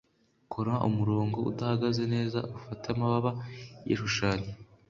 Kora umurongo udahagaze neza ufate amababa yigishushanyo